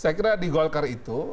saya kira di golkar itu